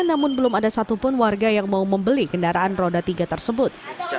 namun belum ada satupun warga yang mau membeli kendaraan roda tiga tersebut